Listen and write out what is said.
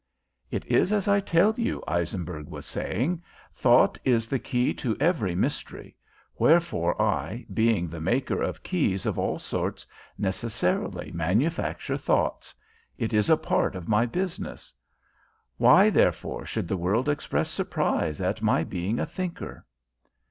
"It is as I tell you," Eisenberg was saying; "thought is the key to every mystery; wherefore I, being the maker of keys of all sorts, necessarily manufacture thoughts. It is a part of my business. Why, therefore, should the world express surprise at my being a thinker?"